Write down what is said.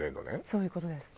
そういう事です。